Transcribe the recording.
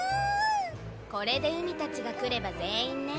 これで海未たちが来れば全員ね。